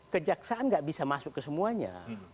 kejaksaan gak bisa masuk ke semuanya